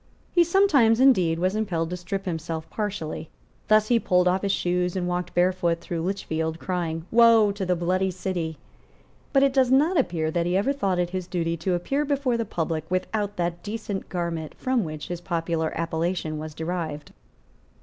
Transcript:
He sometimes, indeed, was impelled to strip himself partially. Thus he pulled off his shoes and walked barefoot through Lichfield, crying, "Woe to the bloody city." But it does not appear that he ever thought it his duty to appear before the public without that decent garment from which his popular appellation was derived.